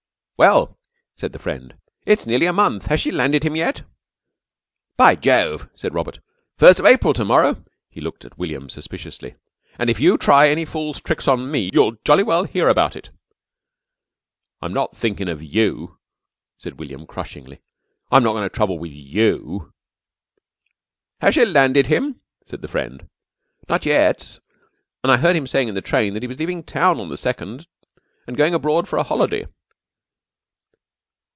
"Well," said the friend, "it's nearly next month. Has she landed him yet?" "By Jove!" said Robert. "First of April to morrow!" He looked at William suspiciously. "And if you try any fool's tricks on me you'll jolly well hear about it." "I'm not thinkin' of you," said William crushingly. "I'm not goin' to trouble with you!" "Has she landed him?" said the friend. "Not yet, and I heard him saying in the train that he was leaving town on the 2nd and going abroad for a holiday."